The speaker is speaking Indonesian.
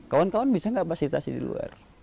kawan kawan bisa nggak fasilitasi di luar